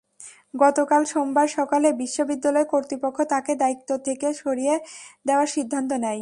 গতকাল সোমবার সকালে বিশ্ববিদ্যালয় কর্তৃপক্ষ তাঁকে দায়িত্ব থেকে সরিয়ে দেওয়ার সিদ্ধান্ত নেয়।